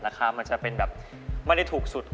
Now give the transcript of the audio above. มันจะเป็นแบบไม่ได้ถูกสุด